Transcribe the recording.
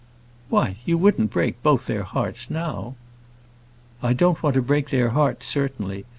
"Why, you wouldn't break both their hearts now?" "I don't want to break their hearts, certainly.